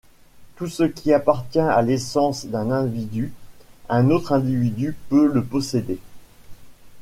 Tout ce qui appartient à l'essence d'un individu, un autre individu peut le posséder.